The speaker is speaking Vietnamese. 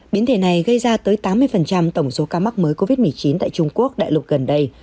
biến thể này gây ra tới tám mươi tổng số ca mắc mới covid một mươi chín tại trung quốc đại lục gần đây